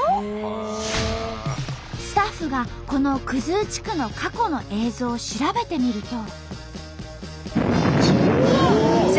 スタッフがこの生地区の過去の映像を調べてみると。